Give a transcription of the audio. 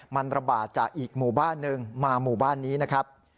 มันระบาดจากอีกหมู่บ้านหนึ่งมาหมู่บ้านนี้นะครับ